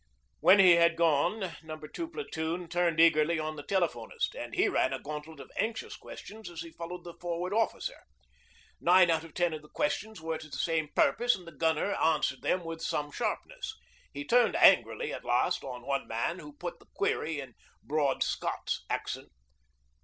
When he had gone No. 2 Platoon turned eagerly on the telephonist, and he ran a gauntlet of anxious questions as he followed the Forward Officer. Nine out of ten of the questions were to the same purpose, and the gunner answered them with some sharpness. He turned angrily at last on one man who put the query in broad Scots accent.